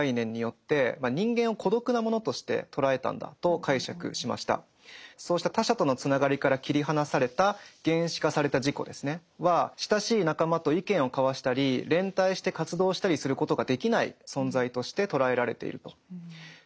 アーレントによるとですねハイデガーはそうした他者とのつながりから切り離された「原子化された自己」は親しい仲間と意見を交わしたり連帯して活動したりすることができない存在として捉えられていると。